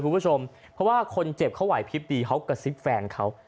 คุณผู้ชมเพราะว่าคนเจ็บเขาไหวพลิบดีเขากระซิบแฟนเขา